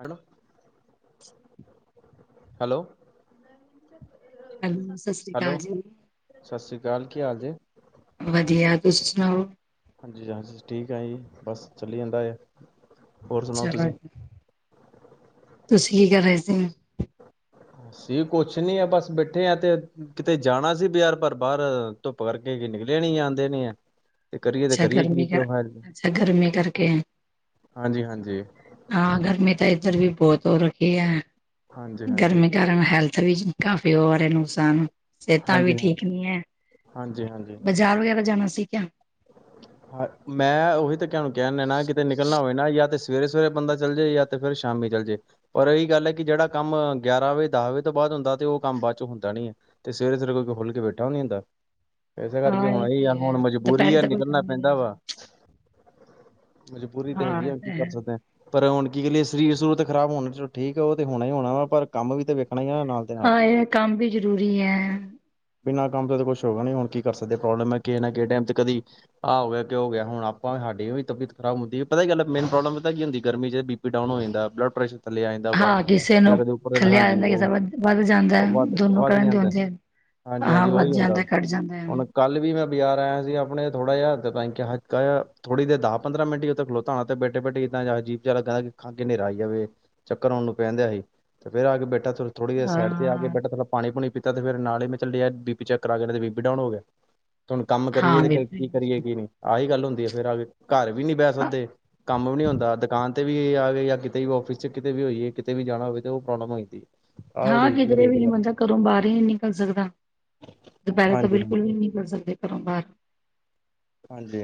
Hello hello hello ਸਤਿ ਸ੍ਰੀ hello ਅਕਾਲ ਜੀ [unintelligible] ਕੀ ਹਾਲ ਜੇ ਵਧੀਆ ਤੁਸੀ ਸੁਣਾਓ ਹਾਂਜੀ ਹਾਂਜੀ ਠੀਕ ਐ ਜੀ ਬਸ ਚੱਲੀ ਜਾਂਦਾ ਹੈ ਹੋਰ ਸੁਣਾਓ ਚਲੋ ਤੁਸੀਂ? [unintelligible] ਤੁਸੀਂ ਕੀ ਕਰ ਰਹੇ ਸੀ ਅਸੀ ਕੁਛ ਨੀ ਆ ਬਸ ਬੈਠੇ ਆ ਤੇ ਕਿਤੇ ਜਾਣਾ ਸੀ ਬਜ਼ਾਰ ਪਰ ਬਾਹਰ ਧੁੱਪ ਕਰਕੇ ਨਿਕਲੇ ਨੀ ਜਾਂਦੇ ਨੇ ਆ ਅੱਛਾ ਗਰਮੀ ਕਰ ਅੱਛਾ ਗਰਮੀ ਕਰਕੇ ਹਾਂਜੀ, ਹਾਂਜੀ, ਹਾਂ ਗਰਮੀ ਤਾਂ ਏ ਵੀ ਬਹੁਤ ਹੋ ਰੱਖੀ ਹੈ ਹਾਂਜੀ, ਹਾਂਜੀ, ਗਰਮੀ ਕਾਰਨ ਹੈਲਥ ਥ ਵੀ ਕਾਫੀ ਹੋਰੇ ਨੁਕਸਾਨ ਸਿਹਤਾਂ ਵੀ ਠੀਕ ਹਾਂਜੀ, ਨੀ ਹੈ ਬਾਜ਼ਾਰ ਵਗੈਰਾ ਜਾਣਾ ਸੀ ਕਿਆ ਹ ਮੈਂ ਉਹੀ ਤਾਂ ਕਹਿ ਨੂੰ ਕਹਿਣ ਦੇ ਨਾ ਕਿਤੇ ਨਿਕਲਣਾ ਹੋਵੇ ਨਾ ਜਾਂ ਤੇ ਸਵੇਰੇ ਸਵੇਰੇ ਬੰਦਾ ਚੱਲ ਜੇ ਜਾਂ ਫਿਰ ਸ਼ਾਮੀ ਚੱਲ ਜੇ ਪਰ ਇਹੀ ਗੱਲ ਹੈ ਕਿ ਜਿਹੜਾ ਕੰਮ ਗਿਆਰਾਂ ਵਜੇ ਦਸ ਵਜੇ ਤੋਂ ਬਾਅਦ ਹੁੰਦਾ ਤੇ ਉਹ ਕੰਮ ਬਾਅਦ ਚੋਂ ਹੁੰਦਾ ਨੀ ਹੈ ਤੇ ਸਵੇਰੇ ਸਵੇਰੇ ਕੋਈ ਖੁੱਲ ਕੇ ਬੈਠਾ ਵੀ ਨੀ ਹੁੰਦਾ ਇਸੇ ਹਾਂ ਕਰਕੇ ਹੁਣ ਇਹ ਤੇ ਆ ਹੈ ਹੁਣ ਮਜਬੂਰੀ ਦੁਪਹਿਰੇ ਆ ਤਾਂ ਕੋਈ ਨਿਕਲਣਾ ਕੰਮ ਨੀ ਪੈਂਦਾ ਰਹਿੰਦਾ ਵਾ ਮਜਬੂਰੀ ਤੇ ਹਾਂ ਹੈਗੀ ਇਹ ਆ ਕੀ ਤਾਂ ਕਰ ਹੈ ਸਕਦੇ ਆਂ ਪਰ ਹੁਣ ਕੀ ਕੀਏ ਸਰੀਰ ਸੂਰਰ ਖਰਾਬ ਹੋਣਾ ਚ ਠੀਕ ਆ ਉਹ ਤਾਂ ਹੋਣਾ ਹੀ ਹੋਣਾ ਵਾ ਪਰ ਕੰਮ ਵੀ ਤਾਂ ਵੇਖ ਹਾਂ ਇਹ ਕੰਮ ਵੀ ਜ਼ਰੂਰੀ ਹੈ ਬਿਨਾਂ ਕੰਮ ਤੋਂ ਕੁਛ ਹੋਗਾ ਨੀ ਹੁ ਕੀ ਕਰ ਸਕਦੇ ਪ੍ਰੋਬਲਮ ਹੈ ਟਾਈਮ ਤੇ ਕਦੀ ਆਹ ਹੋ ਗਿਆ ਕਿ ਹੋ ਗਿਆ ਹੁਣ ਆਪਾਂ ਸਾਡੀ ਵੀ ਤਬੀਅਤ ਖਰਾਬ ਹੁੰਦੀ ਹੈ ਪਤਾ ਹੀ ਗੱਲ ਮੇਨ ਪ੍ਰੋਬਲਮ ਪਤਾ ਕੀ ਹੁੰਦੀ ਗਰਮੀ ਚ ਬੀ ਪੀ ਡਾਊਨ ਹੋ ਜਾਂਦਾ ਬਲੱਡ ਪ੍ਰੈਸ਼ਰ ਥੱਲੇ ਆ ਜਾਂਦਾ ਵਾ ਹਾਂ ਕਿਸੇ ਜਾਂ ਨੂੰ ਕਦੇ ਉੱਪਰ ਦੇਨ ਥੱਲੇ ਆ ਹਾਂਜੀ ਜਾਂਦਾ ਕਿਸੇ ਉਹ ਵੱਧ ਵੱਧ ਜਾਂਦਾ ਵੱਧ ਦੋਨੋ ਵੱਧ ਕਰਨ ਦੇ ਜਾਂਦਾ ਹੁੰਦੇ ਹਾਂਜੀ ਹਾਂ ਹਾਂਜੀ ਵੱਧ ਉਹੀ ਹੁੰਦਾ ਜਾਂਦਾ ਘੱਟ ਜਾਂਦਾ ਹੁਣ ਹੈ। ਕੱਲ ਵੀ ਮੈਂ ਬਜ਼ਾਰ ਆਇਆ ਸੀ ਆਪਣੇ ਥੋੜਾ ਜਿਹਾ ਕਿਹਾ ਹੱਕਕਾ ਆ ਥੋੜੀ ਦੇ ਦਸ ਪੰਦਰਾਂ ਮਿੰਟ ਹੀ ਉਥੇ ਖਲੋਤ ਧਣਾ ਤੇ ਬੇਟੇ ਬੇ ਕਿਦਾਂ ਜੀ ਚਾਲ ਖਾਂ ਕੇ ਹਨੇਰਾ ਆਈ ਜਾਵੇ ਚੱਕਰ ਆਉਣ ਨੂੰ ਪੈਂਣ ਦਿਆ ਸੀ ਤੇ ਫੇਰ ਆ ਕੇ ਬੈਠਾ ਥੋੜੀ ਦੇਰ ਸਾਈਡ ਤੇ ਆ ਕੇ ਹਾਂ ਬੈਠਾ ਥਲਾ ਪਾਣੀ ਪੁਣੀ ਪ ਤੇ ਫੇਰ ਨਾਲ ਹੀ ਮੈਂ ਚੱਲ ਯਾਰ ਬੀਪੀ ਚੈੱਕ ਕਰਾ ਗਿਆ ਤੇ ਬੀਪੀ ਡਾਊਨ ਹੋ ਗਿਆ ਤੇ ਹੁਣ ਕੰਮ ਕਰੀਏ ਹਾਂ ਤੇ ਬੇਬੇ ਕੀ ਕਰੀਏ ਕੀ ਨ ਆਹੀ ਗੱਲ ਹੁੰਦੀ ਆ ਫੇਰ ਆ ਕੇ ਘਰ ਵੀ ਨੀ ਬਹਿ ਅ- ਸਕਦੇ ਕੰਮ ਵੀ ਨੀ ਹੁੰਦਾ ਦੁਕਾਨ ਕਿਤੇ ਵੀ ਆ ਗਏ ਜਾਂ ਕਿਤੇ ਵੀ ਔਫਿਸ ਚ ਕਿਤੇ ਵੀ ਹੋਈਏ ਕਿਤੇ ਵੀ ਜਾਣਾ ਹੋਵੇ ਤਾਂ ਉਹ ਪ੍ਰੋਬਲਮ ਹੋ ਜਾਂਦੀ ਹੈ ਆਹ ਹਾਂ ਬੜੀ ਬੜੀ ਕਿਧਰੇ ਵੱਡੀ ਵੀ ਗੱਲ ਮਨਦਾ ਘਰੋਂ ਬਾਹਰ ਹੀ ਨਹੀਂ ਨਿਕਲ ਸਕਦਾ ਦੁਪਹਿਰੇ ਤਾਂ ਹਾਂਜੀ ਹਾਂਜੀ ਬਿਲਕੁਲ ਵੀ ਨਹੀਂ ਨਿਕਲ ਸਕਦੇ ਘਰੋਂ ਬਾਹਰ ਹਾਂਜੀ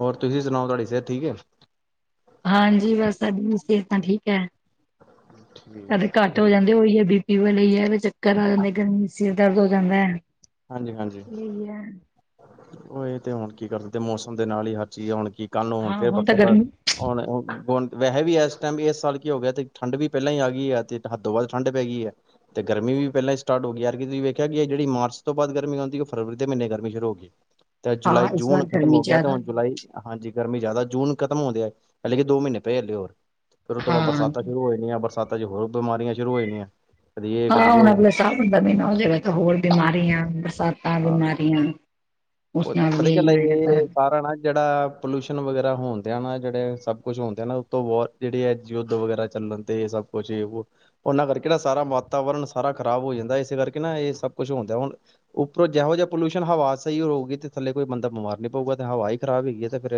ਹੋਰ ਤੁਸੀਂ ਸੁਣਾਓ ਤੁਹਾਡੀ ਸਿਹਤ ਠੀਕ ਏ ਹਾਂਜੀ ਬਸ ਸਾਡੀ ਵੀ ਸਿਹਤਾ ਠੀਕ ਏ ਕਦੇ ਘੱਟ ਹੋ ਠੀਕ ਜਾਂਦੇ ਉਹੀ ਹੈ ਬੀ ਪੀ ਵਾਲੇ ਹੈ ਵੀ ਚੱਕਰ ਆ ਜਾਂਦੇ ਗਰਮੀ ਚ ਸਿਰ ਦਰਦ ਹੋ ਜਾਂਦਾ ਏ ਹਾਂਜੀ ਹਾਂਜੀ ਉਹ ਇਹ ਤੇ ਹੁਣ ਕੀ ਕਰ ਸਕਦੇ ਮੌਸਮ ਦੇ ਨਾਲ ਹੀ ਹਰ ਚੀਜ਼ ਏ ਹੁਣ ਕਿ ਕੀ ਕੱਲ ਨੂੰ ਹੁਣ ਹਾਂ ਫੇਰ ਤਾਂ ਗਰਮੀ [unintelligible] ਵੈਸੇ ਵੀ ਇਸ ਟਾਈਮ ਇਸ ਸਾਲ ਕੀ ਹੋ ਗਿਆ ਏ ਤੇ ਠੰਢ ਵੀ ਪਹਿਲਾਂ ਹੀ ਆ ਗਈ ਏ ਤੇ ਹੱਦੋ ਵੱਧ ਠੰਡ ਪੈ ਗਈ ਏ ਤੇ ਗਰਮੀ ਵੀ ਪਹਿਲਾਂ ਹੀ ਸਾਰਟ ਹੋ ਗਈ ਯਾਰ ਕਿ ਤੁਸੀ ਵੇਖਿਆ ਕਿ ਜਿਹੜੀ ਮਾਰਚ ਤੋਂ ਬਾਅਦ ਗਰਮੀ ਆਉਂਦੀ ਏ ਫਰਵਰੀ ਦੇ ਮਹੀਨੇ ਗਰਮੀ ਸ਼ੁਰੂ ਹੋ ਗਈ ਤੇ ਹਾਂ ਜੁਲਾਈ ਇਸ ਜੂਨ ਵਾਰ ਖ਼ਤਮ ਗਰਮੀ ਹੋ ਗਿਆ ਤੇ ਜ਼ਿਆਦਾ ਹੁਣ ਜੁਲਾਈ ਹਾਂਜੀ ਗਰਮੀ ਜ਼ਿਆਦਾ ਜੂਨ ਖਤਮ ਹੁੰਦੇ ਆ ਹੈ ਹਲੇ ਕਿ ਦੋ ਮਹੀਨੇ ਪਏ ਹੱਲੇ ਹੋਰ ਫੇਰ ਉਸ ਤੋਂ ਬਾਅਦ ਹਾਂ ਬਰਸਾਤਾਂ ਸ਼ੁਰੂ ਹੋ ਜਾਣੀਆਂ ਬਰ ਸਾਂਤਾ ਚ ਹੋਰ ਬਿਮਾਰੀਆਂ ਸ਼ੁਰੂ ਹੋ ਜਾਣੀਆਂ ਕਦੀ ਇਹ ਹਾਂ ਕਦੀ ਹੁਣ ਉਹ ਅਗਲੇ ਸਾਬਣ ਦਾ ਮਹੀਨਾ ਹੋ ਜਾਏਗਾ ਤਾਂ ਹੋਰ ਬਿਮਾਰੀਆਂ ਬਰਸਾਤਾਂ ਬਿਮਾਰੀਆਂ ਉਸ ਨਾਲ ਪਤਾ ਕਿ ਵੀ ਗਲ ਇਹੀ ਏ ਹੋ ਜਾਤਾ ਹੈ ਇਹ ਸਾਰਾ ਨਾ ਜਿਹੜਾ ਪੋਲਿਊਸ਼ਨ ਵਗੈਰਾ ਹੋਣ ਦਿਆ ਨਾ ਜਿਹੜੇ ਸਭ ਕੁਛ ਹੋਣ ਦਿਆ ਨਾ ਉਤੋਂ ਵੋਰ ਜਿਹੜੀ ਏ ਯੁੱਧ ਵਗੈਰਾ ਚੱਲ ਣ ਤੇ ਸਭ ਕੁਛ ਇਹ ਬੋ ਉਹਨਾਂ ਕਰਕੇ ਨਾ ਸਾਰਾ ਵਾਤਾਵਰਨ ਸਾਰਾ ਖਰਾਬ ਹੋ ਜਾਂਦਾ ਏ ਇਸੇ ਕਰਕੇ ਨਾ ਇਹ ਸਭ ਕੁਛ ਹੁੰਦਾ ਹੁਣ ਉਪਰੋਂ ਜਿਹੋ ਜਿਹਾ ਪੋਲਿਊਸ਼ਨ ਹਵਾ ਸਹੀ ਰਹੁਗੀ ਤੇ ਥੱਲੇ ਕੋਈ ਬੰਦਾ ਬਿਮਾਰ ਨੀ ਪਊਗਾ ਤੇ ਹਵਾ ਹੀ ਖਰਾਬ ਹੈਗੀ ਤੇ ਫੇਰ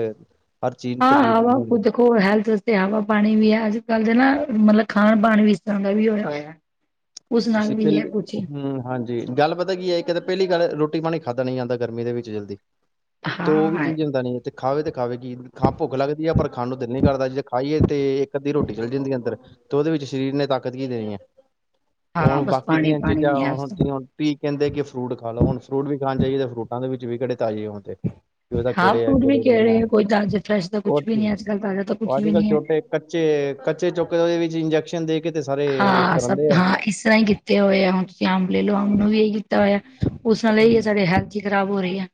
ਹਾਂ ਹਵਾ ਦੇਖੋ ਹੈਲਥ ਵਾਸਤੇ ਹਵਾ ਪਾਣੀ ਵੀ ਹੈ ਅੱਜ ਕੱਲ ਦੇ ਨਾ ਮਤਲਬ ਖਾਣ ਪਾਣ ਵੀ ਇਸ ਤਰ੍ਹਾਂ ਦਾ ਵੀ ਹੋਇਆ ਹੋਇਆ ਉਸ ਨਾਲ ਤੁਸੀਂ ਵੀ ਹੈ ਪਹਿਲੀ ਕੁਛ ਹੂੰ ਹਾਂਜੀ ਗੱਲ ਪਤਾ ਕੀ ਏ ਇਕ ਤੇ ਪਹਿਲੀ ਗੱਲ ਰੋਟੀ ਰੋਟੀ ਪਾਣੀ ਖਾਧਾ ਨੀ ਜਾਂਦਾ ਗਰਮੀ ਦੇ ਵਿੱਚ ਜਲਦੀ [inaudible] ਤੇ ਉਹ ਵੀ ਚੀਜ਼ ਹੁੰਦਾ ਨੀ ਤੇ ਖਾਵੇ ਤੇ ਖਾਵੇ ਕਿ ਖਾਂ ਭੁੱਖ ਲੱਗਦੀ ਏ ਪਰ ਖਾਣ ਨੂੰ ਦਿਲ ਨੀ ਕਰਦਾ ਜੇ ਖਾਈਏ ਤੇ ਇੱਕ ਅੱਧੀ ਰੋਟੀ ਚਲੇ ਜਾਂਦੀ ਏ ਅੰਦਰ ਤੇ ਉਹਦੇ ਵਿੱਚ ਸਰੀਰ ਨੇ ਤਾਕਤ ਕੀ ਦੇਣੀ ਏ ਤੇ ਹਾਂ ਹੁਣ ਬਸ ਬਾਕੀ ਪਾਣੀ ਦੀਆਂ ਪਾਣੀ ਚੀਜ਼ਾਂ ਨੀ ਹੈ ਉਸ ਹੁਣ ਤੋਂ ਬਾਅਦ। ਤੁਸੀਂ ਕਹਿੰਦੇ ਕਿ ਫਰੂਟ ਖਾ ਲਓ ਹੁਣ ਫਰੂਟ ਵੀ ਖਾਣ ਜਾਈਏ ਤੇ ਫਰੂਟਾਂ ਦੇ ਵਿੱਚ ਵੀ ਕਿਹੜੇ ਤਾਜ਼ੇ ਹੁੰਦੇ ਕਿ ਉਹਦਾ ਹਾਂ ਕਿਹੜੇ ਏ ਫਰੂਟ ਵੀ ਕਿਹੜੇ ਨਹੀਂ ਏ ਕੋਈ ਤਾਜ਼ੇ ਫਰੈਸ਼ ਦਾ ਕੁਛ ਹੋਰ ਵੀ ਕਿ ਨਹੀਂ ਅੱਜ ਕੱਲ੍ਹ ਤਾਜ਼ਾ ਤਾਂ ਉਹ ਕੁਛ ਅੱਜ ਵੀ ਕੱਲ ਨਹੀਂ ਹੈ ਛੋਟੇ ਕੱਚੇ ਤੇ ਕੱਚੇ ਚੁੱਕ ਉਹਦੇ ਵਿੱਚ ਇੰਨਜੈਕਸ਼ਨ ਦੇ ਕੇ ਤੇ ਸਾਰੇ ਹਾਂ ਕਰਨ ਸਭ ਦੇ ਐ ਹਾਂ ਇਸ ਤਰ੍ਹਾਂ ਹੀ ਕੀਤੇ ਹੋਏ ਆ ਹੁਣ ਤੁਸੀਂ ਅੰਬ ਲਓ ਅੰਬ ਨੂੰ ਵੀ ਇਹੀ ਕੀਤਾ ਹੋਇਆ ਉਸ ਨਾਲ ਇਹੀ ਐ ਹੂੰ, ਸਾਡੇ ਹੈਲਥ ਖ਼ਰਾਬ ਹੋ ਰਹੀ ਹੈ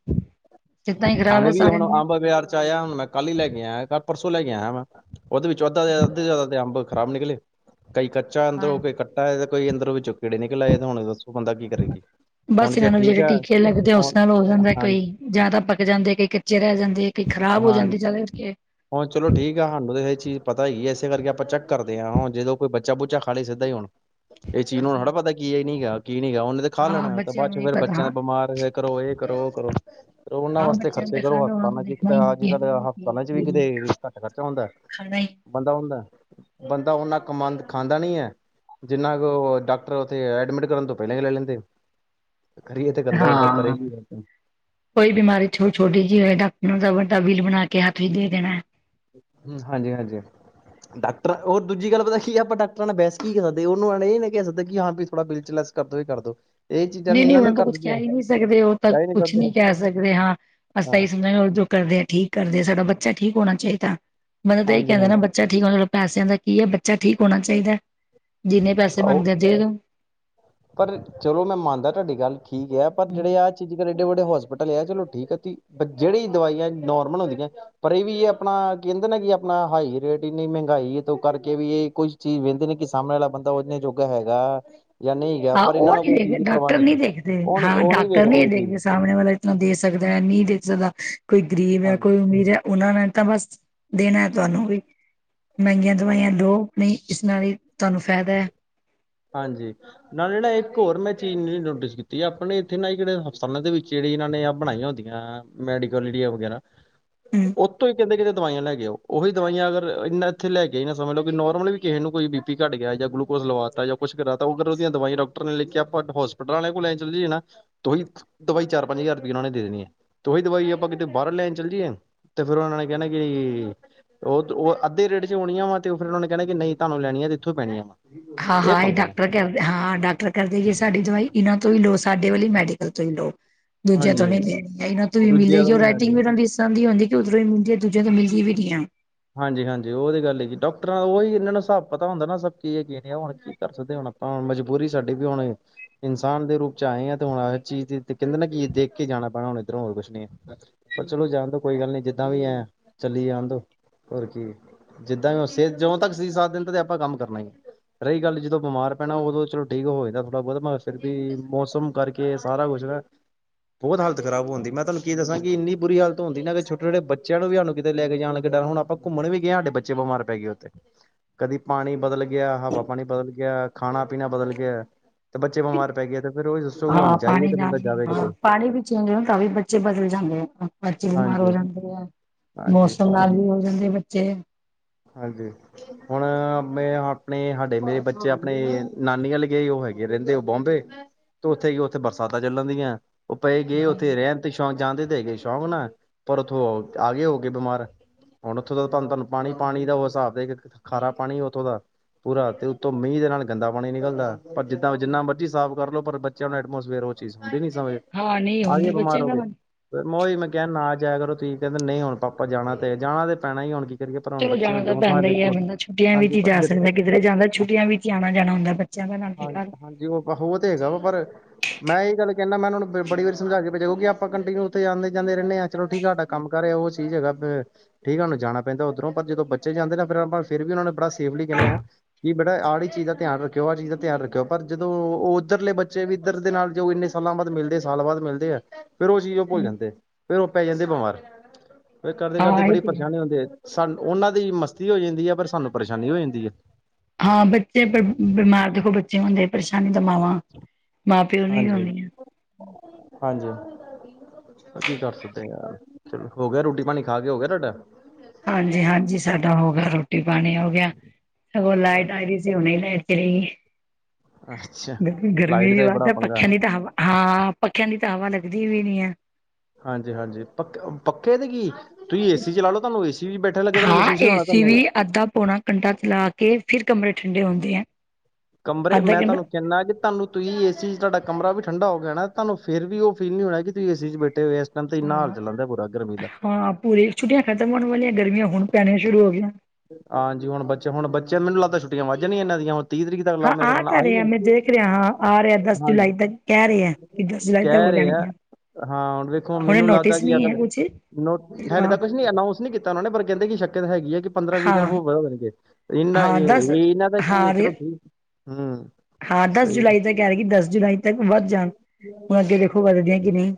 ਸਿਹਤਾਂ ਹੀ ਖ਼ਰਾਬ ਅੰਬ ਹੈ ਵੀ ਸਾਰਿਆਂ ਹੁਣ ਦੀਆਂ ਅੰਬ ਬਾਜਾਰ ਚ ਆਇਆ ਹੁਣ ਮੈਂ ਕੱਲ ਹੀ ਲੈ ਕੇ ਆਇਆ ਪਰਸੋ ਸੋਂ ਲੈ ਕੇ ਆਇਆ ਮੈਂ ਉਹਦੇ ਵਿੱਚੋਂ ਅੱਧਾ ਦੇ ਅੱਧੇ ਜ਼ਿਆਦਾ ਤੇ ਅੰਬ ਖਰਾਬ ਨਿਕਲੇ ਕਈ ਕੱਚਾ ਹਾਂ ਅੰਦਰੋਂ ਕੋਈ ਖੱਟਾ ਤੇ ਕੋਈ ਅੰਦਰੋਂ ਵਿੱਚੋਂ ਕੀੜੇ ਨਿਕਲ ਆਏ ਤੇ ਹੁਣ ਦੱਸੋ ਉਹ ਬੰਦਾ ਕੀ ਕਰੇ ਜੀ ਹੁਣ ਬਸ ਇਹਨਾਂ ਸ਼ਾਇਦ ਨੂੰ ਠੀਕ ਜਿਹੜੇ ਆ ਟੀਕੇ ਲੱਗਦੇ ਉਸ ਹੁਣ ਨਾਲ ਹੋ ਜਾਂਦਾ ਹਾਂ ਕੋਈ ਜ਼ਿਆਦਾ ਪੱਕ ਜਾਂਦੇ ਕਈ ਕੱਚੇ ਰਹਿ ਜਾਂਦੇ ਏ ਹਾਂ ਹੁਣ ਚਲੋ ਠੀਕ ਆ ਸਾਨੂੰ ਤਾਂ ਇਹ ਚੀਜ਼ ਪਤਾ ਹੀ ਹੈ ਇਹ ਕਰਕੇ ਆਪਾਂ ਚੈੱਕ ਕਰਦੇ ਆ ਹੁਣ ਜਦੋਂ ਕੋਈ ਬੱਚਾ ਬੂਚਾ ਖਾ ਲਏ ਸਿੱਧਾ ਹੀ ਹੁਣ ਇਹ ਚੀਜ਼ ਨੂੰ ਹੁਣ ਹਾਂ ਥੋੜਾ ਪਤਾ ਕੀ ਇਹ ਨੀ ਹੈਗਾ ਕੀ ਨੀ ਗਾ ਉਹਨੇ ਤਾਂ ਖਾ ਹਾਂ ਲੈਣਾ ਤੇ ਬੱਚਿਆਂ ਬਾਅਦ ਨੂੰ ਚ ਨਹੀਂ ਫੇਰ ਪਤਾ ਬੱਚਿਆਂ ਹਾਂ ਦਾ ਬਿਮਾਰ ਫ ਕਰੋ ਇਹ ਕਰੋ ਉਹ ਕਰੋ ਕਰੋ ਉਹਨਾਂ ਹਾਂ ਵਾਸਤੇ ਬੱਚਿਆਂ ਨੂੰ ਖਰਚੇ ਤਾਂ ਕਰੋ ਖਾਣਾ ਉਹਨਾਂ ਆਪਾਂ ਨੂੰ ਨਾ ਜੀ ਅੱਜ ਦੇਖਣਾ ਹੀ ਕੱਲ੍ਹ ਹਸਪਤਾਲਾਂ ਚ ਵੀ ਨਹੀਂ ਕਿਤੇ ਘੱਟ ਖਰਚਾ ਹੁੰਦਾ ਖਾਣਾ ਹੀ ਬੰਦਾ ਬੰਦਾ ਓਨਾ ਕਮਾਦਾ ਖਾਂਦਾ ਨੀ ਏ ਜਿੰਨਾ ਕੁ ਉਹ ਡਾਕਟਰ ਉੱਥੇ ਐਡਮਿਟ ਕਰਨ ਤੋਂ ਪਹਿਲਾਂ ਲੈ ਲੈਂਦੇ ਕਰੀਏ ਤੇ ਗੰਦਾ ਆਪਾਂ ਹਾਂ ਕਰੇਗੀ ਕੋਈ ਬਿਮਾਰੀ ਛੋ ਛੋਟੀ ਜਿਹੀ ਹੋਵੇ ਡਾਕਟਰਾਂ ਦਾ ਵੱਡਾ ਬਿਲ ਬਣਾ ਕੇ ਕੇ ਹੱਥ ਵਿਚ ਦੇ ਦੇਣਾ ਡਾਕਟਰਾਂ ਉਹ ਦੂਜੀ ਗੱਲ ਪਤਾ ਕੀ ਏ ਆਪਾਂ ਡਾਕਟਰਾਂ ਨਾਲ ਬਹਿਸ ਕੀ ਕਰ ਸਕਦੇ ਉਹਨੂੰ ਨਾਲੇ ਇਹ ਨਾ ਕਹਿ ਸਕਦੇ ਕਿ ਹਾਂ ਵੀ ਥੋੜਾ ਬਿਲ ਚ ਲੈਸ ਕਰਦੋ ਹੀ ਕਰਦੋ ਨਹੀਂ ਨਹੀਂ ਉਹਨਾਂ ਨੂੰ ਤਾਂ ਕੁਛ ਕਹਿ ਹੀ ਨਹੀਂ ਸਕਦੇ ਉਹ ਤਾਂ ਕਿਆ ਹੀ ਕੁਛ ਕਰਦੇ ਨਹੀਂ ਕਹਿ ਸਕਦੇ ਹਾਂ ਅਸੀਂ ਹਾਂ ਇਹੀ ਸਮਝਗੇ ਜੋ ਕਰ ਕਰਦੇ ਆ ਠੀਕ ਕਰਦੇ ਆ ਸਾਡਾ ਬੱਚਾ ਠੀਕ ਹੋਣਾ ਚਾਹੀਦਾ ਮਤਲਬ ਤਾਂ ਇਹ ਹਾਂਜੀ ਕਹਿੰਦੇ ਨਾ ਬੱਚਾ ਠੀਕ ਹੋਣਾ ਪੈਸਿਆਂ ਦਾ ਕੀ ਹੈ ਬੱਚਾ ਠੀਕ ਹੋਣਾ ਚਾਹੀਦਾ ਜਿੰਨੇ ਪੈਸੇ ਹਾਂਜੀ ਬਣਦੇ ਆ ਦੇ ਦੋ ਪਰ ਚਲੋ ਮੈਂ ਮੰਨਦਾ ਤੁਹਾਡੀ ਗੱਲ ਠੀਕ ਹੈ ਪਰ ਦੋ ਜਿਹੜੇ ਆਹ ਚੀਜ਼ ਕਰੇ ਅਤੇ ਬਹੁਤ ਸੁਆਦ ਆਉਂਦਾ ਸੀ। ਵੱਡੇ ਹੋਸਪਿਟਲ ਆ ਚਲੋ ਠੀਕ ਆ ਤੁਂ ਜਿਹੜੀ ਹੀ ਦਵਾਈਆਂ ਨੋਰਮਲ ਹੁੰਦੀਆਂ ਪਰ ਇਹ ਵੀ ਇਹ ਆਪਣਾ ਕਹਿੰਦੇ ਸਨ। ਕਿ ਆਪਣਾ ਹਾਈ ਰੇਟ ਇੰਨੀ ਮਹਿੰਗਾਈ ਤੋਂ ਕਰਕੇ ਵੀ ਇਹ ਕੁੱਝ ਚੀਜ਼ ਵਹਿੰਦੇ ਨੇ ਕਿ ਸਾਹਮਣੇ ਵਾਲਾ ਬੰਦਾ ਉਹਨੇ ਜੋ ਹੈ। ਹੈਗਾ ਯਾਨੀ ਕਿ ਸਿਕਰੀ ਤੋਂ ਛੁਟਕਾਰਾ ਪਾਉਣ। ਹਾਂ ਉਹ ਨਹੀ ਦੇਖਦੇ ਡਾਕਟਰ ਨਹੀ ਦੇਖਦੇ ਉਹ ਨੀ ਹਾਂ ਉਹ ਨੀ ਡਾਕਟਰ ਵੇਖਦੇ ਨਹੀ ਇਹ ਚੀਜ਼ ਦੇਖਦੇ ਸਾਹਮਣੇ ਵਾਲਾ ਇਤ ਦੇਖ ਸਕਦਾ ਸੀ। ਮ ਦੇਖ ਸਕਦਾ ਕੋਈ ਗਰੀਬ ਹੈ ਹਾਂ ਕੋਈ ਅਮੀਰ ਹੈ ਉਹਨਾਂ ਨੇ ਤਾਂ ਬਸ ਦੇਣਾ ਹੈ ਤੁਹਾਨੂੰ ਵੀ ਬੜਾ ਹੀ। ਮਹਿੰਗੀਆਂ ਦਵਾਈਆਂ ਲਓ ਨਹੀਂ ਇਸ ਨਾਲ ਹੀ ਤੁਹਾਨੂੰ ਫਾਇਦਾ ਹੈ। ਹਾਂਜੀ ਨਾਲੇ ਨਾ ਇੱਕ ਹੋਰ ਮੈਂ ਚੀਜ਼ ਨੋਟਿਸ ਕੀਤੀ ਆਪਣੇ ਇੱਥੇ ਨਾ ਕਿਹੜੇ ਹਸਪਤਾਲਾਂ ਦੇ ਵਿੱਚ ਚਗਿਯ ਦਵਾਈ ਦਿੱਤੀ ਜਾਂਦੀ ਹਨ। ਇਹਨਾਂ ਨੇ ਬਣਾਈਆਂ ਹੁੰਦੀਆਂ ਮੈਡੀਕਲ ਜਡੀਆ ਵਗੈਰਾ ਹਮ ਉੱਤੋਂ ਹੀ ਕਹਿੰਦੇ ਕਿਦੇ ਹਨ । ਦਵਾਈਆਂ ਲੈ ਕੇਓ ਉਹੀ ਦਵਾਈਆਂ ਅਗਰ ਇੰਨਾ ਇੱਥੇ ਲੈ ਕੇ ਨਾ ਸਮਝ ਲਓ ਕਿ ਨੋਰਮਲੀ ਵੀ ਕਿਸੇ ਨੂੰ ਕੋਈ ਬੀ ਪੀ ਘੱਟ ਗਿਆ ਜਾਂ ਗਲੂਕੋ ਹਨ । ਲਵਾਤਾ ਜਾਂ ਨਹੀਂ ਹੈ। ਕੁਛ ਕਰਾ ਤ ਅਗਰ ਉਹਦੀਆਂ ਦਵਾਈਆਂ ਡਾਕਟਰ ਨੇ ਲਿਖਿਆ ਆਪਾਂ ਹੋਸਪਿਟਲ ਵਾਲਿਆਂ ਕੋਲ ਚੱਲ ਜਾਣਾ ਉਹੀ ਦਵਾਈ ਚਾਰ ਪੰਜ ਕਾਮੇ ਹਨ। ਹਜ਼ਾਰ ਰੁਪਈਆ ਉਹਨਾਂ ਦੇਣੀ ਹੈ ਤੇ ਉਹੀ ਦਵਾਈ ਆਪਾਂ ਕਿਤੇ ਬਾਹਰ ਲੈਣ ਚੱਲੀਏ ਸੀ। ਤੇ ਫਿਰ ਉਹਨਾਂ ਨੇ ਕਹਿਣਾ ਕਿ ਤੁਸੀ ਕਦੋਂ ਨਾਨਕਾ ਜਾਣਾ ਹਨ। ਉਹ ਉਹ ਅੱਧੇ ਰੇਟ ਚ ਆਉਣੀਆਂ ਵਾ ਤੇ ਫਿਰ ਉਹ ਨੇ ਕਹਿਣਾ ਕਿ ਨਹੀਂ ਤੁਹਾਨੂੰ ਲਈਆਂ ਤੇ ਇੱਥੋਂ ਪੈਣੀਆਂ ਵਾ ਹਨ । ਹਾਂ ਹਾਂ ਇਹ ਡਾਕਟਰ ਕਰਦੇ ਹਾਂ ਡਾਕਟਰ ਕਰਦੇ ਜੇ ਸਾਡੀ ਦਵਾਈ ਇਹਨਾਂ ਤੋਂ ਵੀ ਲੋਸ ਮਿਲਦਾ ਸੀ। ਸਾਡੇ ਵਾਲੀ ਮੈਡੀਕਲ ਤੋਂ ਹੀ ਲਓ ਮਿਲ ਜਾਂਦਾ ਹਨ। ਹਾਂਜੀ ਦੂਜਿਆਂ ਤੋਂ ਵੀ ਇਹਨਾਂ ਤੋਂ ਵੀ ਦੂਜਿਆਂ ਮਿਲੇਗੀ ਤੋਂ ਉਹ ਨੀ ਲੈਣੀ ਰਾਈਟਿੰਗ ਵੀ ਇਹਨਾਂ ਦੀ ਇਸ ਤਰ੍ਹਾਂ ਦੀ ਹੁੰਦੀ ਉਧਰੋਂ ਹੀ ਮਦੀ ਵੀ ਹੈ। ਦੂਜਿਆਂ ਤੋਂ ਮਿਲਦੀ ਵੀ ਨਹੀਂ ਆ ਗਿਆ ਹਨ। ਹਾਂਜੀ ਹਾਂਜੀ ਉਹ ਤਾਂ ਗੱਲ ਹੀ ਕਿ ਡਾਕਟਰਾਂ ਦਾ ਉਹੀ ਇਹਨਾਂ ਨੂੰ ਹਿਸਾਬ ਪਤਾ ਹੁੰਦਾ ਨਾ ਸਭ ਕੀ ਹੈ ਕੀ ਹੁਣ ਕੀ ਕਰ ਸਕਦੇ ਹੋ । ਆਪਾਂ ਹੁਣ ਮਜਬੂਰੀ ਸਾਡੀ ਵੀ ਹੁਣ ਇਨਸਾਨ ਦੇ ਰੂਪ ਚ ਆਏ ਹਾਂ ਤੇ ਹੁਣ ਇਹ ਚੀਜ਼ ਦੀ ਗੱਲ ਕਰੀਏ। ਤੇ ਕਹਿੰਦੇ ਨਾ ਕਿ ਦੇਖ ਕੇ ਜਾਣਾ ਪੈਣਾ ਹੁਣ ਤੱਕ ਹਨ। ਇਧਰੋਂ ਹੋਰ ਕੁਛ ਨੀ ਹੈ ਪਰ ਚਲੋ ਜਾਣ ਦੋ ਕੋਈ ਗੱਲ ਨੀ ਜਿੱਦਾਂ ਵੀ ਆ ਚੱਲੀ ਜਾਣ ਦੋ ਓਹਦੀ ਮਰਜੀ ਹਾਗੀ। ਹੋਰ ਕੀ ਜਿੱਦਾਂ ਵੀ ਸ ਜਦੋਂ ਤੱਕ ਸੀ ਸਾਥ ਦਿੰ ਆਪਾਂ ਕੰਮ ਕਰਨਾ ਹੀ ਸੀ ਰਹੀ ਗੱਲ ਜਦੋਂ ਬਿਮਾਰ ਪੈਣਾ ਉਦੋਂ ਚਲੋ ਠੀਕ ਹੋ ਜਾਂਦਾ ਥੋੜਾ ਬਹੁਤ ਮੈਂ ਫਿਰ ਵੀ ਮੌਸਮ ਕਰਕੇ ਸਾਰਾ ਕੁਛ ਕੰਮ ਕਰਨ ਵਾਲੇ ਨੂੰ ਹੀ ਗੱਲ ਕਰੀ ਹਨ। [unintelligible] ਬਹੁਤਾਲਤ ਖ਼ਬ ਹੁੰਦੀ ਮੈਂ ਤੁਹਾਨੂੰ ਕੀ ਦੱਸਾਂ ਕਿੰਨੀ ਬੁਰੀ ਹਤ ਹੁੰਦੀ ਨਾ ਕਿ ਛੋਟੇ ਛੋਟੇ ਬੱਚਿਆਂ ਨੂੰ ਵੀ ਸਾਨ ਕਿਤੇ ਲੈ ਕੇ ਜਾਣ ਡਰੁਣ ਲਗ ਪਏ ਸਨ। ਆਪਾਂ ਘੁੰਮਣ ਵੀ ਗਏ ਸਾਡੇ ਬੱਚੇ ਬਮਾਰ ਪੈ ਗਏ ਉੱਥੇ ਇਸ ਲਿਆ ਸਾਨੂੰ ਫ਼ਿਕਰ ਹੁੰਦਾ ਹਨ । ਕਦੀ ਪਾਣੀ ਬਦਲ ਗਿਆ ਹਵਾ ਪਾਣੀ ਬਦਲ ਗਿਆ ਖਾਣਾ ਪੀਣਾ ਬਦਲ ਗਿਆ ਸੀ। ਇਸ ਲਈ ਵੀ ਬਿਮਾਰ ਹੋ ਜਾਂਦਾ ਹਨ। ਤੇ ਬੱਚੇ ਬਿਮਾਰ ਪੈ ਗਏ ਤੇ ਫਿਰ ਉਹਨਾਂ ਦੀਆਂ ਧਿਆਨ ਜਾਂਦਾ ਰੱਖਣਾ ਪੈਂਦਾ ਹਨ। ਹਾਂ ਪਾਣੀ ਨਾਲ ਹਾਂ ਪਾਣੀ ਵੀ ਚੇਂਦੇ ਤਾਂ ਵੀ ਬੱਚੇ ਬਦਲ ਜਾਂਦੇ ਆ ਬੱਚੇ ਬਿਮਾਰ ਹੋ ਹਾਂਜੀ ਜਾਂਦੇ ਸਨ ਦੇ ਆ ਹਾਂਜੀ ਮੌਸਮ ਨਾਲ ਵੀ ਹੋ ਜਾਂਦੇ ਬੱਚੇ ਬਿਮਾਰ। ਹਾਂਜੀ ਹੁਣ ਮੈਂ ਆਪਣੇ ਸਾਡੇ ਮੇਰੇ ਬੱਚੇ ਆਪਣੇ ਨਾਨੀ ਵਾਲ ਗਏ ਉਹ ਬਹੁਤ ਮਜਾ ਕਰਦੇ ਹਨ। ਹੈਗੇ ਰਹਿੰਦੇ ਉਹ ਬੋਂਬੇ ਤੇ ਉੱਥੇ ਉੱਥੇ ਬਰਸਾਤ ਚੱਲਣਦੀਆਂ ਉਹ ਪਏ ਗਏ ਹਾਂ, ਉੱਥੇ ਰਹਿਣ ਤੇ ਸ਼ੌਕ ਭੀ ਬਹੁਤ ਹੁੰਦਾ ਹਨ। ਜਾਂਦੇ ਤੇ ਹੈਗੇ ਸ਼ੌਂਕ ਨਾ ਪਰ ਉੱਥੋਂ ਆ ਗਏ ਹੋ ਗਏ ਬਿਮਾਰ ਹੁਣ ਉੱਥੋਂ ਦਾ ਤੁਹਾਨੂੰ ਤੁਹਾਨੂੰ ਪਾਣੀ ਦਾ ਫ਼ਰਕ ਪਾਂ ਜਾਂਦਾ । ਪਾਣੀ ਦਾ ਉਹ ਹਿਸਾਬ ਦੇ ਖਾਰਾ ਪਾਣੀ ਉੱਥੋਂ ਦਾ ਵੜਿਆ ਨੀ ਲਗਦਾ ਸਾਨੂੰ। ਪੂਰਾ ਤੇ ਉੱਤੋਂ ਮੀਂਹ ਦੇ ਨਾਲ ਗੰਦਾ ਪਾਣੀ ਨਿਕਲਦਾ ਪਰ ਜਿੱਦਾਂ ਜਿੰਨਾ ਮਰਜ਼ੀ ਸਾਫ਼ ਕਰ ਲੋ ਪਰ ਬੱਚਿਆਂ ਨੂੰ ਐਟਮੋਸਫੇਅਰ ਉਹ ਚੀਜ਼ ਹੁੰਦੀ ਸੀ। ਨੀ ਸਮਝ ਹਾਂ ਨਹੀਂ ਆ ਗਏ ਹੁੰਦੀ ਬਿਮਾਰ ਬੱਚਿਆਂ ਹੋ ਗਏ ਦਾ ਔਰ ਘੁੰਮ ਧੂਪ ਚੋ। ਮੈਂ ਹੀ ਮੈਂ ਕਿਹਾ ਨਾ ਜਾਇ ਕਰੋ ਤੁਸੀਂ ਕਹਿੰਦੇ ਨਹੀਂ ਹੁਣ ਪਾਾ ਜਾਣਾ ਤੇ ਜਾਣਾ ਤੇ ਪੈਣਾ ਹੀ ਹੁਣ ਕੀ ਕਰੀਏ ਹਨ। ਚਲੋ ਜਾਣਾ ਤਾਂ ਪੈਂਦਾ ਹੀ ਹੈ ਬੰਦਾ ਛੁੱਟੀਆਂ ਵੀ ਹੀ ਜਾ ਹਾਂਜੀ ਸਕਦਾ ਕਿੱਧਰੇ ਜਾਂਦਾ ਛੁਟੀਆਂ ਵੀ ਹੀ ਆਣਾ ਜਾਣਾ ਹੁੰਦਾ ਬੱਚਿਆਂ ਨੂੰ ਮਜਾ ਆਉਣ ਹਨ । ਹਾਂਜੀ ਹਾਂਜੀ ਉਹ ਉਹ ਤੇ ਹੈਗਾ ਵਾ ਪਰ ਮੈਂ ਇਹ ਗੱਲ ਉਣਾ ਨੂੰ ਵੀ ਦੱਸ ਦਿਓ। ਕਹਿੰਦਾ ਮੈਂਨਾਂ ਨੂੰ ਬੜੀ ਵ ਸਮਾ ਕੇੇਜਊੂਗੀ ਆਪਾਂ ਕੰਟੀਿਊ ਉੱਥੇ ਆਂਦੇ ਜਾਂਦੇ ਰਹਿੰਦੇ ਹ ਚੋ ਠੀਕ ਆਾ ਕੰਮ ਕਰਹਾ ਉਹ ਚੀਜ਼ ਹੈਗਾ ਸੀ। ਠੀਕ ਆ ਉਹਨੂੰ ਜਾਣਾ ਪੈਂਦਾ ਉੱਧਰੋਂ ਵਿਚ ਬਦਲਾਅ ਹਨ। ਪਰ ਜਦੋਂ ਬੱਚੇ ਜਾਂਦੇ ਨਾ ਫਿਰ ਆਪ ਫਿਰ ਵੀ ਉਹਨਾਂ ਨੇ ਬੜਾ ਸੇਫਲੀ ਕਹਿੰਦੇ ਆਾਂ ਕਿ ਬੇਾ ਆ ਵਾਲੀ ਚੀਜ਼ ਦਾ ਧਿਆਨ ਰੱਖਓ ਆਹ ਚੀਜ਼ ਦਾ ਧਿਆਨ ਰੱਖਣਾ ਚਾਹੀਦਾ ਸੀ। ਰੱਖਿਓ ਪਰ ਜਦੋਂ ਉਹ ਉੱਧਰਲੇ ਬੱਚੇ ਵੀ ਇੱਧਰ ਦੇ ਨਾਲ ਜੋ ਇੰਨੇ ਸਾਲਾਂ ਬਾਅਦ ਮਿਲਦੇ ਸਾਲ ਬਾਅਦ ਮਿਲਦੇ ਆ ਕੇ ਮੈਨੂੰ ਵੀ ਹੈ। ਫੇਰ ਉਹ ਚੀਜ਼ ਉਹ ਭੁੱਲ ਜਾਂਦੇ ਫੇਰ ਉਹ ਪੈ ਜਾਂਦੇ ਬਿਮਾਰ ਫਿਰ ਕਰਦੇ ਕਰਦੇ ਹਾਂ ਇਹ ਬੜੀ ਤੇ ਹੈ। ਪਰੇਸ਼ਾਨੀ ਹੁੰਦੀਆਂ ਹਨ। ਸਾਨ ਉਹਨਾਂ ਦੀ ਮਸਤੀ ਹੋ ਜਾਂਦੀ ਹੈ ਪਰ ਸਾਨੂੰ ਪਰੇਸ਼ਾਨੀ ਹੋ ਜਾਂਦੀ ਹੈ। ਹਾਂ ਬੱਚੇ ਬਿਮਾਰ ਦੇਖੋ ਬੱਚੇ ਹੁੰਦੇ ਪਰੇਸ਼ਾਨੀ ਨਹੀਂ ਹੈ। ਮਾਵਾਂ ਮਾਂ ਪਿਓ ਹਾਂਜੀ [unintelligible] ਹਾਂਜੀ ਕੀ ਕਰ ਸਕਦੇ ਯਾਰ ਚ ਹੋ ਗਿਆ ਰੋਟੀ ਪਾਣੀ ਖਾ ਕੇ ਹੋ ਗਿਆ ਤੁਹਾਡਾ ਹਾਂਜੀ, ਹਾਂਜੀ ਸਾਡਾ ਹੋ ਗਿਆ ਰੋਟੀ ਪਾਣੀ ਹੋ ਗਿਆ। [unintelligible] ਅੱਛਾ ਗ ਗਰਮੀ ਲਾਈਟ ਦੀ ਦਾ ਹੀ ਬਾਤ ਬੜਾ ਹੈ ਪੰਗਾ ਪੱਖਿਆਂ ਦੀ ਤਾਂ ਹਵਾ ਹਾਂ ਪੱਖਿਆਂ ਦੀ ਤਾਂ ਹਵਾ ਲੱਗਦੀ ਵੀ ਨੀ ਹੈ। [unintelligible] ਹਾਂਜੀ ਹਾਂਜੀ ਪੱਕ ਪੱਕੇ ਤੇ ਕੀ ਤੁਸੀਂ ਏਸੀ ਚਲਾ ਲੋ ਤੁਹਾਨੂੰ ਏਸੀ ਵੀ ਬੈਠੇ ਲੱਗੇ ਤੁਹਾਨੂੰ ਹਾਂ ਮਹਿਸੂਸ ਨਹੀਂ ਹੋਣਾ ਏਸੀ ਵੀ ਤੁਹਾਨੂੰ ਅੱਧਾ ਪੌਣਾ ਕੰਢਾ ਚਲਾ ਕੇ ਫਿਰ ਕਮਰੇ ਠੰਡੇ ਹੁੰਦੇ ਹੈ। ਕਮਰੇ ਮੈਂ ਤੁਹਾਨੂੰ ਕਹਿੰਦਾ ਕਿ ਤੁਹਾਨੂੰ ਤੁਸੀਂ ਏਸੀ ਚ ਤੁਹਾਡਾ ਕਮਰਾ ਵੀ ਠੰਡਾ ਹੋ ਗਿਆ ਨਾ ਤੁਹਾਨ ਫਿਰ ਵੀ ਉਹ ਫੀਲ ਨੀ ਹੋਣਾ ਕਿ ਤੁਸੀਂ ਇਸੀ ਚ ਬੈੇਠੇ ਹੋਏ ਹਾਂ ਆ [unintelligible] ਹਾਂ ਪੂਰੀ ਛੁੱਟੀਆਂ ਖਤਮ ਹੋਣ ਵਾਲੀਆਂ ਗਰਮੀਆਂ ਹੁਣ ਪੈਣੀਆਂ ਸ਼ੁਰੂ ਹੋ ਗਈਆਂ ਹਾਂਜੀ ਹੁਣ ਬੱਚੇ ਹੁਣ ਬੱਚਿਆਂ ਮੈਨੂੰ ਲੱਗਦਾ ਛੁੱਟੀਆਂ ਵੱਧ ਜਾਣਿਆ ਇਹਨਾਂ ਦੀਆਂ। ਤਰੀਕ ਤੱਕ ਹਾਂ ਲਾ ਮੇਰੇ ਆ ਖਿਆਲ ਨਾਲ ਤਾਂ ਆਹੀ ਰਿਹਾ ਮੈਂ ਮਹੀਨੇ ਦੇਖ ਰਿਹਾ ਹਾਂ ਆ ਰਿਹਾ ਦਸ ਹਾਂਜੀ ਜੁਲਾਈ ਤੱਕ ਕਹਿ ਰਿਹਾ ਕਿ ਦਸ ਜੁਲਾਈ ਤੱਕ। ਕਹਿ ਹੋ ਰਹੇ ਆ ਜਾਣਗੀਆਂ। ਹਾਂ ਹੁਣ ਵਖੋ ਹੁਣੇ ਮੈਨੂੰ ਲੱਗਦਾ ਨੋਟਿਸ ਕਿ ਨਹੀਂ ਹੈ ਅਗਲ ਕੁਛ ਹਾਲਲੇ ਹਾਂ ਤਾਂ ਕੁਛ ਨੀ ਅਨਾਊਂਸ ਨਹੀਂੀ ਕੀਤਾ ਉਹਨਾਂ ਨੇ ਕਹਿੰਦੇ ਕਿ ਸ਼ਕਤ ਹੈਗੀ ਹੈ ਕਿ ਪੰਦਰਾਂ ਵੀਹ ਦਿਨ ਹਾਂ ਹੋਰ ਵਧਾ ਦੇਣਗੇ। ਇਹਨਾਂ ਹਾਂ ਦਸ ਇਹਨਾਂ ਦਾ ਕੀ ਹਾਂ ਚਲੋ ਰ ਠੀਕ ਹਮ ਹਾਂ ਦਸ ਜੁਲਾਈ ਤੱਕ ਯਾਰ ਕਿ ਦਸ ਜੁਲਾਈ ਤੱਕ ਵੱਧ ਜਾਣ ਹੁਣ ਅੱਗੇ ਦੇੇਖੋ ਵੱਧਦੇਆਂ ਕਿ ਨਹੀਂ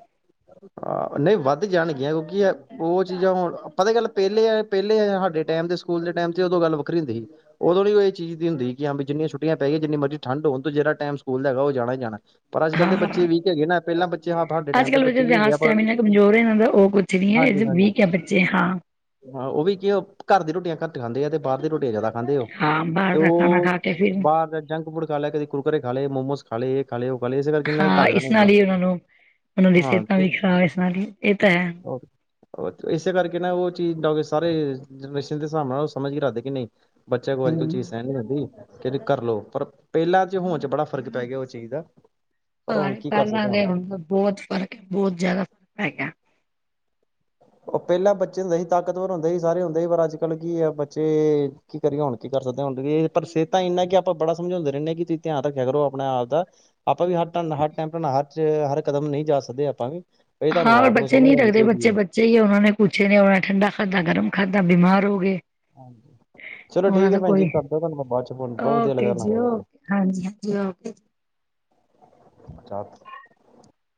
ਹਹ ਨਹੀਂ ਵੱਧ ਜਾਣਗੀਆਂ ਕਿਉਂਕਿ ਉਹ ਚੀਜ਼ਾਂ ਹੁਣ ਪਤਾ ਗੱਲ ਪਹਿਲੇ ਪਹਿਲੇ ਸਾਡੇ ਟਾਈਮ ਤੇ ਸਕੂਲ ਦੇ ਟਾਈਮ ਤੇ ਉਦੋਂ ਗੱਲ ਵੱਖਰੀ ਹੁੰਦੀ ਸੀ ਉਦੋਂੀ ਉਹ ਇਹ ਚੀਜ਼ ਦੀ ਹੁੰਦੀ ਕਿ ਹਾਂ। [unintelligible] ਛੁੱਟਿਆ ਪੈ ਗਈਆ ਜਿੰਨੀ ਮਰਜ਼ ਠਢ ਹੋਣ ਤੇ ਜਿਹੜ ਟਾਈਮ ਸਕੂਲ ਹੈਗਾ ਜਾਣਾ ਹੀ ਜਾਣਾ ਪਰ ਅੱਜ ਕੱਲ ਦੇ ਹਾਂ ਬੱਚੇ ਵੀਕ ਹੈਗੇ ਨਾ ਪਹਿਲਾਂ ਬੱਚੇ ਬੱਚੇ ਹਾਂ ਸਾਡੇ ਅੱਜ ਟਾਈਮ ਦੇ ਕੱਲ੍ਹ ਬੱਚੇ ਕੀ ਹਾਂ ਹੁੰਦੇ ਆ ਪਰ ਸਟੈਮੀਨਾ ਕਮਜ਼ੋਰ ਹੈ ਇਹਨਾਂ ਦਾ ਉਹ ਕੁਛ ਨੀ ਹੈ ਹਾਂਜੀ ਹਾਂਜੀ। ਵੀਕ ਹੈ ਬੱਚੇ ਹਾਂ ਹਾਂ ਉਹ ਵੀ ਕੀ ਘਰ ਦੀ ਰੋਟੀਆਂ ਘੱਟ ਖਾਂਦੇ ਆ ਤੇ ਬਾਹਰ ਦੀ ਰੋਟੀਆਂ ਜ਼ਿਆਦਾ ਖਾਂਦੇ ਹੋ ਹਾਂ ਬਾਹਰ ਤੇ ਦਾ ਖਾਣਾ ਉਹ ਖਾ ਕੇ ਫਿਰ ਬਾਹਰ ਦਾ ਜੰਕ ਫੂਡ ਖਾ ਲਿਆ ਕਦੇ ਕੁੁਰਕੁਰਰੇ ਖਾ ਲਏ ਮੋਮੋਸ ਖਾ ਲਏ। [unintelligible] ਹਾਂ ਹਾਂ ਇਸ ਨਾਲ ਹੀ ਉਹਨਾਂ ਨੂੰ ਉਹਨਾਂ ਦੀ ਸਿਹਤਾਂ ਵੀ ਖ਼ਰਾਬ ਇਸ ਨਾਲ ਇਹ ਤਾਂ ਹੈ। ਇਸੇ ਕਰਕੇ ਨਾ ਉਹ ਚੀਜ਼ ਸਾਰੇ ਜਨਰੇਸ਼ਨ ਦੇ ਹਿਸਾਬ ਨਾਲ ਉਹ ਸਮਝ ਕੇ ਰੱਖਦੇ ਕਿ ਨਹੀਂ ਬੱਚਿਆਂ ਕੋਲ ਅੱਜ ਕਲ ਚੀਜ਼ ਹੂੰ। ਸਹਿਣ ਨੀ ਦਿੰਦੀ। ਕਹਿੰਦੇ ਕਰਲਓ ਪਰ ਪਹਿਲਾਂ ਚ ਹੋਣ ਚ ਬੜਾ ਫ਼ਰਕ ਪੈ ਗਿਆ ਉਹ ਚੀਜ਼ ਦਾ। ਪਰ ਹਾਂ ਹੁਣ ਕੀ ਕਰ ਸਕਦੇ ਪਹਿਲਾਂ ਹਾਂ ਦੇ ਹੁਣ ਬਹੁਤ ਫ਼ਰਕ ਬਹੁਤ ਜਿਆਦਾ ਫ਼ਰਕ ਪੈ ਗਿਆ। ਉਹ ਪਹਿਲਾਂ ਬੱਚੇ ਹੁੰਦੇ ਸੀ ਤਾਕਤਵਰ ਹੁੰਦੇ ਸੀ ਸਾਰੇ ਹੁੰਦੇ ਸੀ ਪਰ ਅੱਜ ਕੱਲ ਕੀ ਆ ਬੱਚੇ ਕੀ ਕਰੀਏ ਹੁ ਕੀ ਕਰ ਸਕਦੇ ਹ ਪਰ ਸਿਹਤਾਂ ਇੰਨਾ ਕਿ ਆਪਾਂ ਬੜਾ ਸਮਝਾਉਂਦੇ ਰਹਿੰਦੇਾਂ ਕਿ ਤੁਸੀਂ ਧਿਆਨ ਰੱਖਿਆ ਕਰੋ ਆਪ ਦਾ ਆਪਾਂ ਵੀ ਹੱਟ। ਹਰ ਟਾਈਮ ਹਰ ਚ ਹਰ ਕਦਮ ਨਹੀਂ ਜਾ ਸਕਦੇ ਆਪਾਂ ਵੀ [unintelligible] ਤੁਹਾਨੂੰ ਆਪ ਨੂੰ ਸਮਝ ਆਉਣੀ ਚਾਹੀਦੀ ਹੈ। ਚਾਹੀਏ ਉਹਨਾਂ ਨੇ ਪੁੱਛਿਆ ਨੇ ਉਹਣਾ ਠੰਡਾ ਖਾਧਾ ਗਰਮ ਖਾਧਾ ਬਿਮਾਰ ਹੋ ਗਏ। ਹਾਂਜੀ। ਚਲੋ ਉਹਨਾਂ ਠੀਕ ਦਾ ਹੈ ਭੈਣ ਜੀ ਕੋਈ ਕਰਦੇ ਤੁਹਾਨੂੰ ਬਾਅਦ ਚ ਫੌਨ ਬਹੁਤ ਵਧੀਆ ਓਕੇ ਜੀ ਲਗਾ। ਓਕੇ ਹਾਂਜੀ ਹਾਂਜੀ ਓਕੇ। [unintelligible]